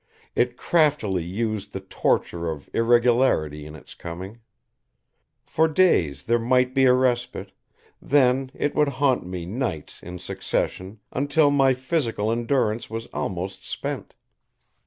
It craftily used the torture of irregularity in Its coming. For days there might be a respite, then It would haunt me nights in succession until my physical endurance was almost spent.